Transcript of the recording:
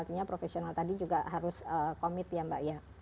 artinya profesional tadi juga harus komit ya mbak ya